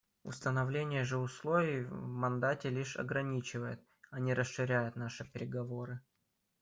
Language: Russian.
Установление же условий в мандате лишь ограничивает, а не расширяет наши переговоры.